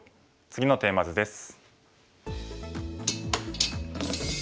次のテーマ図です。